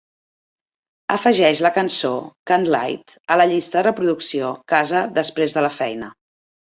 Afegeix la cançó "Candlelight" a la llista de reproducció "Casa després de la feina".